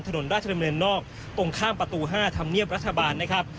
ถนนราชดำเนินนอกตรงข้ามประตู๕ธรรมเนียบรัฐบาลนะครับ